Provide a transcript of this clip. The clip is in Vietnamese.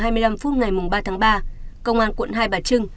vào lúc hai mươi hai h hai mươi năm phút ngày ba tháng ba công an quận hai bà trưng